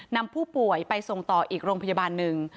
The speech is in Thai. นำผู้ป่วยไปส่งต่ออีกโรงพยาบาลหนึ่ง